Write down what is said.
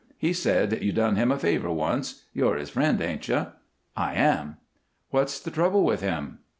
He said you done him a favor once. You're his friend, ain't you?" "I am." "What's the trouble with him?"